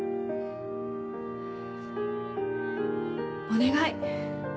お願い！